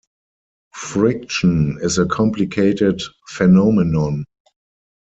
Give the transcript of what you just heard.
Friction is a complicated phenomenon.